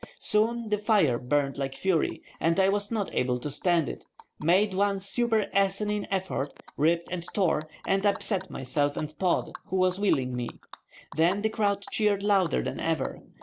Soon the fire burned like fury, and I not able to stand it, made one super asinine effort, ripped and tore, and upset myself and Pod, who was wheeling me. Then the crowd cheered louder than ever.